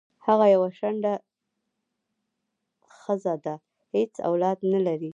هغه یوه شنډه خځه ده حیڅ اولاد نه لری